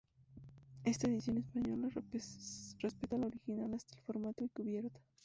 Esta edición española respeta la original hasta en formato y cubierta.